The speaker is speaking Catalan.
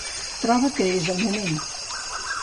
Troba que és el moment.